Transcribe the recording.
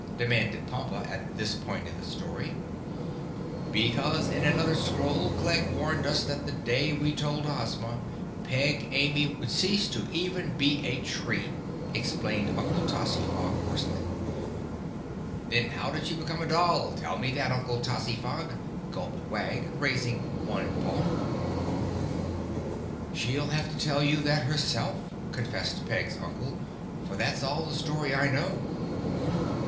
demanded Pompa at this point in the story. "Because in another scroll Glegg warned us that the day we told Ozma, Peg Amy would cease to even be a tree," explained Uncle Tozzyfog hoarsely. "Then how did she become a doll? Tell me that, Uncle Fozzytog," gulped Wag, raising one paw. "She'll have to tell you that herself," confessed Peg's uncle, "for that's all of the story I know."